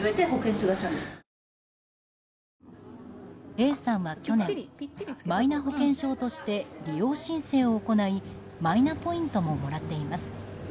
Ａさんは去年、マイナ保険証として利用申請を行いマイナポイントももらっています。